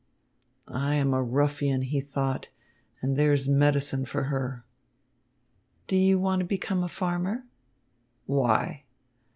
"I am a ruffian," he thought, "and there's medicine for her." "Do you want to become a farmer?" "Why?"